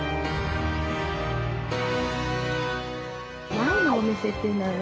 前のお店っていうのはね